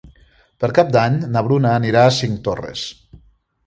Per Cap d'Any na Bruna anirà a Cinctorres.